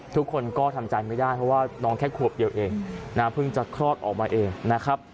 ทุกคนก็ทำใจไม่ได้เพราะว่าน้องแค่ขวบเดียวเองนะเพิ่งจะคลอดออกมาเองนะครับ